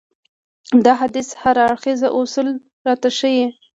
دا حديث هر اړخيز اصول راته ښيي.